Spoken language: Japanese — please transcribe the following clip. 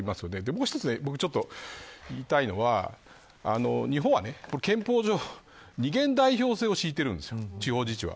もう一つ言いたいのが日本は憲法上二元代表制を敷いています地方自治は。